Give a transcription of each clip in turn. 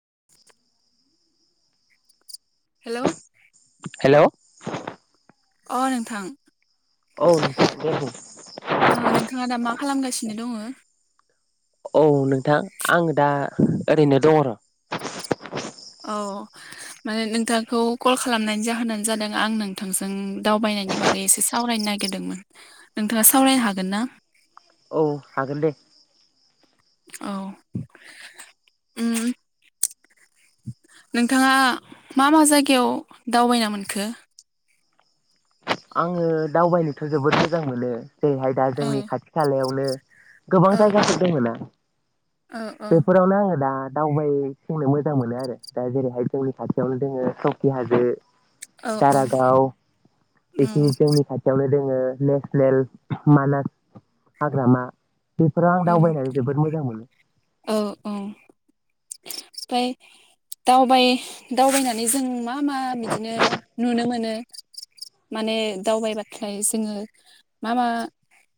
[inaudible] हेल' hello औ अ नोंथां। नोंथां दे बुं ओ नोंथाङा दा मा खालामगासिनो दङ'? औ नों थां आङो दा ओरैनो दङ' र' औ माने नोंथांखौ कल खालामनायनि जाहोनानो जादों आं नोंथांजों दावबायनायनि बागै एसे सावरायनो नागिरदोंमोन नोंथाङा सावरायनो हागोन ना? औ हागोन दे औ ओम नोंथाङा मा मा जायगायाव दावबायना मोनखो? आङो दावबायनोथ' जोबोद मोजां मोनो। जेरैहाय दा औ जोंनि खाथि खालायावनो [inaudible] गोबां औ जायगाफोर दङ' ना? औ औ बेफोरावनो आङो दा दावबाय थिंनो मोजां मोनो आरो दा जेरैहाय जोंनि खाथियावनो दोङो सकि हाजो औ औ औ बेखिनि जोंनि खाथिआव बो दङ नेसनेल मानास हाग्रामा बेफोराव आं औ दावबायनानै जोबोद मोजां मोनो ओमफाय दावबाय दावबायनानै जों मा मा बिदिनो नुनो मोनो माने दावबायबाथाय जोङो मा मा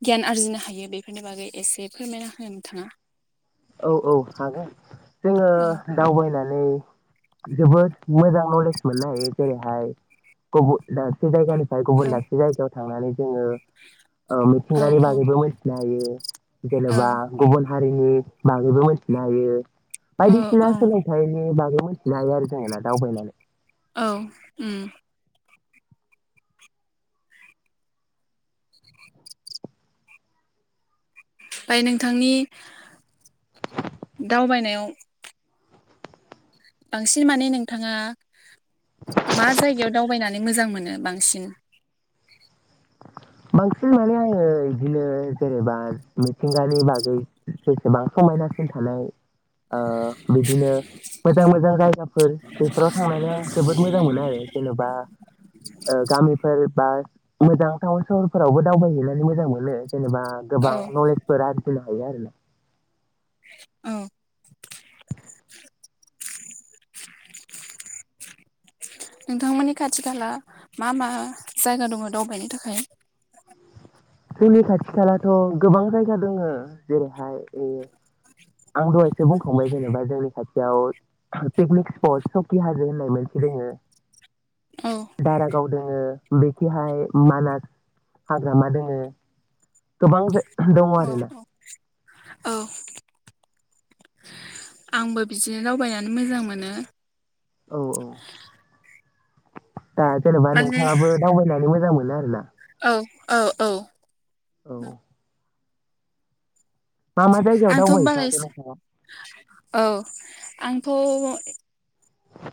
गियान आरजिनो हायो बेफोरनि बागै एसे फोरमायना हो नोंथाङा औ औ हागोन। जोङो औ दावबायना नै जोबोद मोजां नलेज मोननो हायो जेरैहाय गुबुन दाबसे जायगानि फाय औ गुबुन दाबसे जायगायाव थांनानै जोङो ओ औ मिथिंगानि बागैबो मिथिनो हायो औ जेनेबा गुबुन हारिनि बागैबो मोनथिनो हायो। औ औ बायदिसिना सोलोंथाइनि बागै मोनथिनो हायो आरो जोङो दावबायनानै। औ उम। ओमफाय नोंथांनि दावबायनायाव बांसिन माने नोंथाङा मा जायगायाव दावबायनानै मोजां मोनो बांसिन? बांसिन माने आङो बिदिनो जेनेबा मिथिंगानि बागै जेसेबां समायनासिन थानाय अ बिदिनो मोजां मोजां जायगाफोर बेफोराव थांनानै आं जोबोद मोजां मोनो आरो जेन'बा गामिफोर बा मोजां टाउन सरफोरावबो दावबायहैनानै मोजां मोनो। जेनेबा गोबां औ नलेजफोर आर जिनो हायो आरोना। औ। [inaudible] नोंथांमोननि खाथि खाला मा मा जायगा दङ दावबायनो थाखाय? जोंनि खाथि खालाथ' गोबां जायगा दङ जेरैहाय ओ आं दहायसो बुंखांबाय जेनेबा जोंनि खाथियाव पिकनिक स्पट सकि हाजो होननाय मोनसे दङो औ दारागाव दोङो बेखिहाय मानास हाग्रामा दङो। गोबां दङ औ आरोना। औ औ आंबो बिदिनो दावबायनानै मोजां मोनो। औ औ। दा जेनेबा माने नोंथाङाबो दावबायनानै मोजां मोनो [unintelligible] औ औ औ। औ। मा मा जायगायाव आंथ' बारा दावबायहैखांखो एसे नोंथांआ? औ आंथ'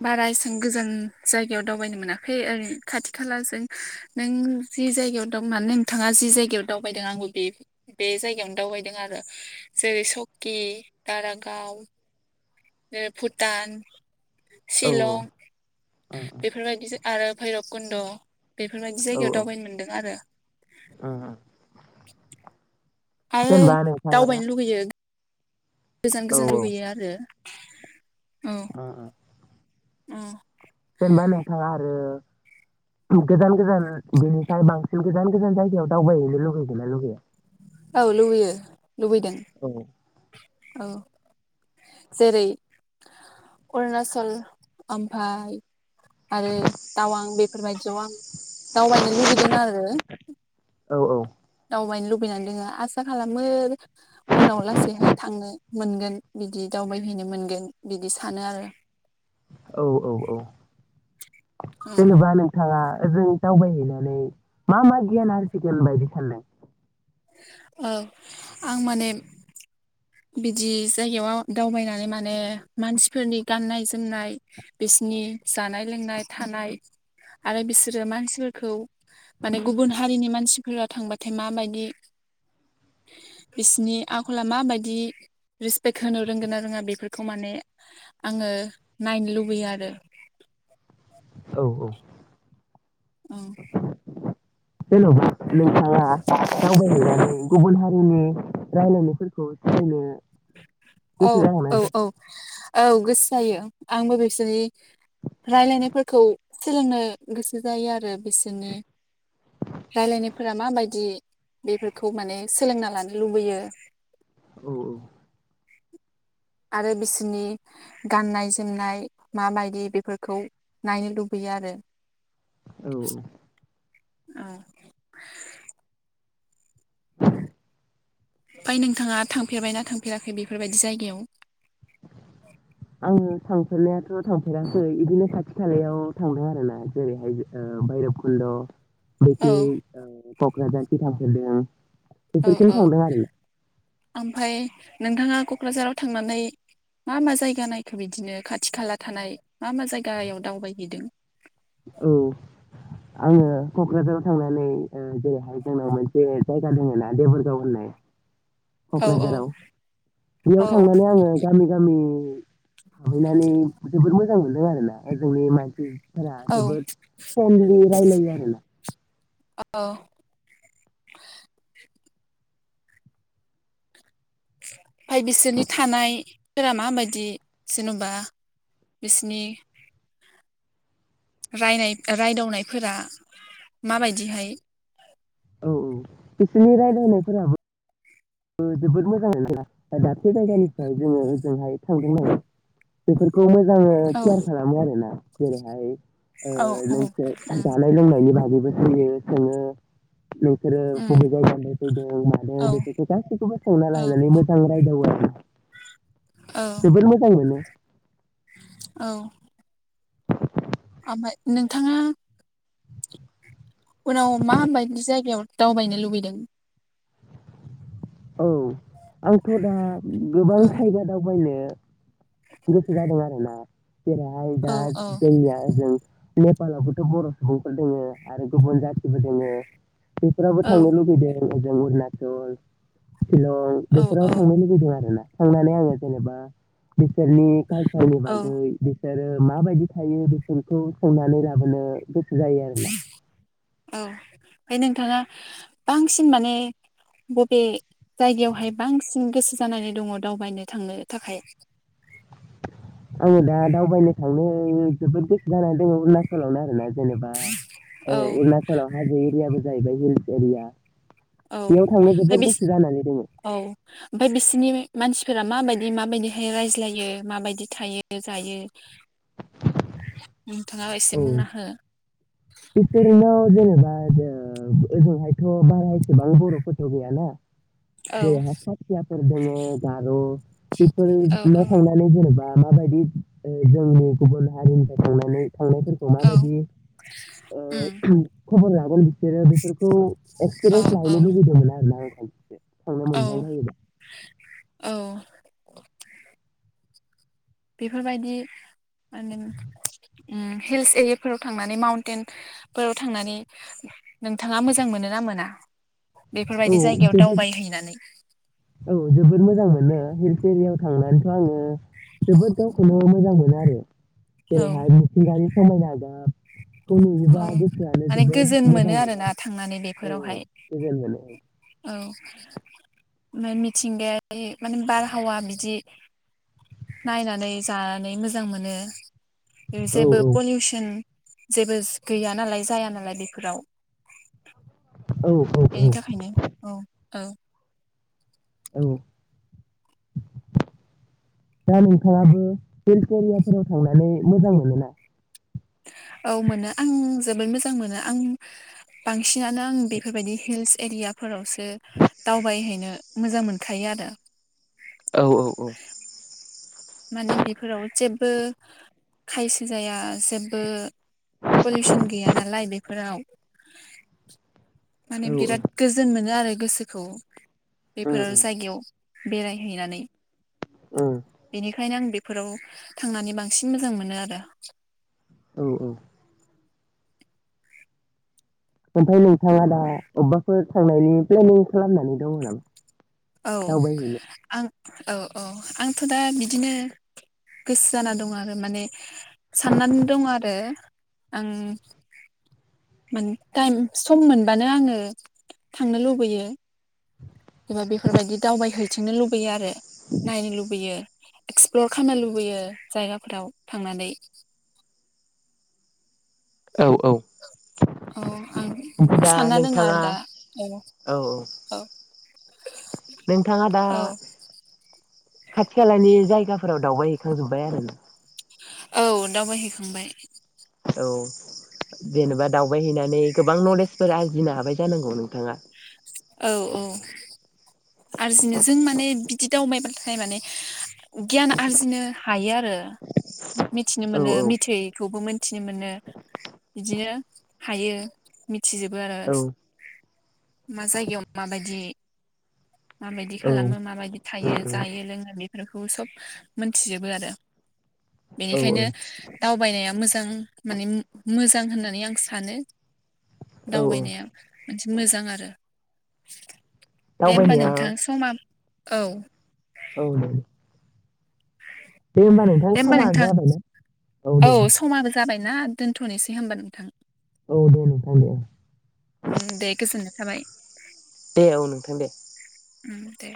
बारा एसेबां गोजान जायगायाव दावबायनो मोनाखै ओरै खाथि खालाजों नों जि जायगायाव दं माने नोंथाङा जि जायगायाव दावबायदों आंबो बे बे जायगायावनो दावबायदों आरो जेरै सकि दारागाव। बे भुटान। औ शिलं बेफोर बायदि आरो भैरब कुन्द'। बेफोर बायदि औ जायगायाव औ दावबायनो मोन्दों आरो। [unintelligible] आरो जेनेबा नोंथाङा दावबायनो लुगैयो। गोजान औ गोजान औ लुगैयो आरो। [inaudible] [unintelligible] उम। जेनबा नोंथां आरो गोजान गोजान बेनिफाय बांसिन गोजान गोजान जायगायाव दावबायहैनो लुगैगोना लुगैया? औ लुगैयो। लुगैदों। औ औ जेरै अरुणाचल ओमफाय आरो टावां बेफोरबायदियाव आं दावबायनो लुबैदों आरो औ दावबायनो लु बैनानै दोङो आसा खालामो उनाव लास बेहाय थांनो मोनगोन बिदि दावबायहैनो मोनगोन बिदि सानो आरो। औ औ औ। जेनेबा नोंथाङा ओजों दावबायहैनानै मा मा गियान आरजिगोन बायदि सानदों? औ आं माने बिदि जायगायाव आव दावबायनानै माने मानसिफोरनि गाननाय जोमनाय बिसिनि जानाय लोंनाय थानाय आरो बिसोरो मानसिफोरखौ माने गुबुन हारिनि मानसिफोरा थांबाथाय माबायदि बिसिनि आख'ला माबायद दि रेसपेक्ट होनो रोंगोना रोङा बेफोरखौ माने आङो नायनो लुबैयो आरो। औ औ। उम। जेन'बा नोंथाङा दावबायहैनानै गुबुन हारिनि रायलायनायफोरखौ [unintelligible] औ गोसो जागोना औ जाया? औ औ गोसो जायो। आंबो बिसोरनि रायलायनायफोरखौ सोलोंनो गोसो जायो आरो बिसोरनो रायलायनायफोरा माबायदि बेफोरखौ माने सोलोंना लानो लुबैयो। औ आरो बिसोरनि गाननाय जोमनाय माबायदि बेफोरखौ नायनो लुबैयो आरो। औ औ। औ। फाय नोंथाङा थांफेरबायना थांफेराखै बेफोरबायदि जायगायाव? आङो थांफेरनायाथ' थांफेराखै इदिनो खाथि खालायाव थांदों आरो ना जेरैहाय ओ भैरबकुन्द'। [unintelligible] औ ओ क'क्राझार [unintelligible] थांफेरदों औ बेफोरखिनो औ थांदों आरो ओमफाय नोंथाङा क'क्राझाराव थांनानै मा मा जायगा नायखो बिदिनो खाथि खाला थानाय मा मा जायगायाव दावबायहैदों? औ आङो क'क्राझाराव थांनानै ओ जेरैहाय जोंनाव मोनसे जायगा दोङो ना देबोरगाव होननाय औ औ क'क्राझाराव औ बेयाव थांनानै आङो गामि गामि हाबैनानै जोबोर मो जां मोनदों आरो ना ओजोंनि मानसिफोरा औ जोबोद [unintelligible] रायलायो आरोना [unintelligible] फाय बिसोरनि थानायफोरा माबायदि जेन'बा बिसनि रायनाय रायदावनायफोरा माबायदिहाय औ औ बिसोरनि रायलायनायफोराबो ओ जोबोद मोजां [unintelligible] दाबसे जायगानि ओ जोङो जोंहाय थां बेफोर [unintelligible] मोजाङै औ केयार खालामो आरोना जेरैहाय ओ औ औ नोंसोर जानाय लोंनायनि बागै बो सोयो सोङो नोंसोरो उम बबे जायगानिफ्राय फैदोंमादों औ बेफोरखौ गासैखौबो सोंना औ लानानै मोजां रायदावो आरो औ जोबोर मोजां मोनो औ आमबारि नोंथाङा उनाव माबायदि जायगायाव दावबायनो लुबैदों? औ आंथ' दा गोबां औ जायगा दावबायनो गोसो जादों आरो ना जेरैहाय दा औ औ जोंनिया होजों नेपालावबोथ' बर' सुबुंफोर दोङो आरो गुबुन जाथिबो दोङो बेफोराबो औ थांनो लुुबैदों फोरजों उरणाचल सिलं औ बेफोराव औ थांनो लुबैदों आरो ना। थांनानै आंङो जेनेबा बिसोरनि कालसारनि बागै बिसोरो माबायदि थायो बेफोरखौ सोंनानै लाबोनो गोसो जायो आरो ना औ। ओमफ्राय नोंथाङा बांसिन माने बबे जायगायावहाय बांसिन गोसो जानानै दङ दावबायनो थांनो थाखाय? आङो दा दावबायनो थांनो जोबोद गोसो जानानै दङ अरुणाचलावनो आरोना। जेनेबा, औ अरुणाचलाव हाजो एरियाबो जाहैबाय हिल्स एरिया औ बेयाव थांनो जोबोद गोसो जानानै दङो। ओमफाय बिसोरनि मानसिफोरा माबायदि माबायदिहाय रायज्लायो माबायदि थायो जायो? नोंथाङा एसे औ बुंना हो बिसोरनो जेनेबा आरो ओजोंहायथ' बारा एसेबां बर'फोरथ' गैयाना औ बेहाय खासियाफोर दङ गार बेफोर औ नाव औ थांनानै जेनेबा माबायदि जोंनि गुबुन हारिनिफ्राय थांनानै थांनायफोरखौ औ माबायदि उम ओ गुबुन लाबो होनदों बिसोरो बेफोरखौ औ एक्सपिरियेन्स औ लाहैनो लुुबैदोंमोन आरो ना आंनो औ मोनजालायो दा। औ बेफोरबायदि माने हिल्स एरियाफोराव थांनानै माउन्टेनफोराव थांनानै नोंथाङा मोजां मोनो ना मोना? औ बेफोरबायदि जायगायाव जोबोद दावबायहैनानै औ जोबोद मोजां मोनो हिल्स एरियाव थांनानैथ' आङो जोबोद गावखौनो मोजां मोनो आरो। औ जेरै हाय मिथिं गारि समायना जा खौ औ हैयोबा गोसोआनो माने जोबोद गोजोन मोजां मोनो आरोना आरो थांनानै औ औ बेफोरावहाय गोजोन मोनो। औ ओमफ्राय मिथिंगायारि माने बारहावा बिदि नायनानै जानानै मोजां मोनो। औ औ जेबो पलिउसन जेबो गैया नालाय जाया नालाय बेफोराव औ औ बेनि थाखायनो औ। औ। औ दा नोंथाङाबो हिल्स एरियाफोराव थांनानै मोजां मोनोना? औ मोनो आं जोबोद मोजां मोनो आं बांसिनानो आं बेफोरबायदि हिल्स एरियाफोरावसो दावबायहैनो मोजां मोनखायो आरो। औ औ औ। माने बेफोराव जेब ओ खायसे जाया जेबो पलिउसन गैया नालाय बेफोराव [inaudible] माने औ औ बिराद गोजोन मोनो आरो गोसोखौ उम बेफोर जायगायाव बेरायहैनानै ओम बेनिखायनो आं बेफोराव थांनानै बांसिन मोजां मोनो आरो औ औ ओमफ्राय नोंथाङा दा अबेबाफोर थांनायनि प्लेनिं खालामनानै दङ नामा औ दावबायहैनो? आं औ औ आंथ' दा बिदिनो गोसो जाना दं आरो माने साननानै दङ आरो आं माने टाइम सम मोनबानो आङो थांनो लुबैयो एबा बेफोरबायदि दावबायहैथिंनो लुबैयो आरो नायनो लुबैयो एक्सप्लर खालामनो लुबैयो जायगाफोराव थांनानै औ औ औ आं दा सानना दङ नोंथाङा आरो दा औ औ नोंथाङा दा औ खाथि खालानि जायगा फोराव दावबाय हैखांजोब्बाय आरो ना औ दावबायहैखांबाय औ जेनेबा दावबायहैनानै गोबां नलेजफोर आरजिनो हाबाय जानांगौ नोंथाङा औ औ आरजिनो जों माने बिदि दावबायब्लााथाय माने गियान आरजिनो हायो आरो मिथिनो औ मोनो औ मिथयैखौबोमोन मिथिनो मोनो बिदिनो हायो थिजोबो आरो औ मा जायगायाव माबायदि माबायदि औ उम खालामो माबायदि थायो उम जायो लोङो बे बेफोरखौ सब मिथिजोबो आरो औ बेनिखायनो दावबायनाया मोजां माने मोजां होननानै होननानै आं सानो औ औ दावबायनाया मोनसे मोजां आरो [inaudible] दाव बोनया [inaudible] मा औ [inaudible] औ दे होमबा नोंथां दे होमबा समा नोंथां जाबाय न औ देे [inaudible] ना दोनथ'नोसै होमबा नोंथां? औ दे नोंथां दे [inaudible] उम दे गोजोननाय थाबाय दे औ नोंथां दे उम दे